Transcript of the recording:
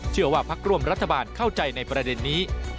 พักร่วมรัฐบาลเข้าใจในประเด็นนี้